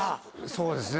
そうですね。